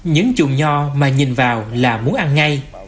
những chuồng nho mà nhìn vào là muốn ăn ngay